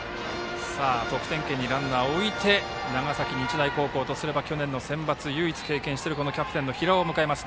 得点圏にランナーを置いて長崎日大高校とすれば去年のセンバツを唯一経験しているこのキャプテンの平尾を迎えます。